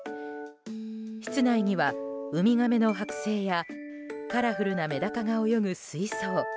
室内にはウミガメの剥製やカラフルなメダカが泳ぐ水槽。